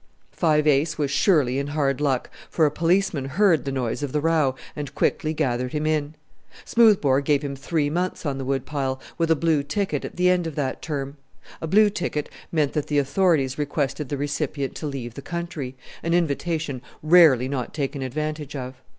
Five Ace was surely in hard luck, for a policeman heard the noise of the row, and quickly gathered him in. Smoothbore gave him three months on the Wood pile, with a blue ticket at the end of that term. A blue ticket meant that the authorities requested the recipient to leave the country an invitation rarely not taken advantage of!